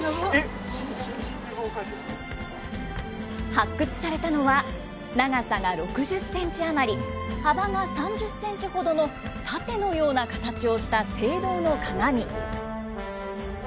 発掘されたのは、長さが６０センチ余り、幅が３０センチほどの、盾のような形をした青銅の鏡。